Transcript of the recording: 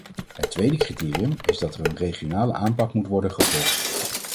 Het tweede criterium is dat er een regionale aanpak moet worden gevolgd.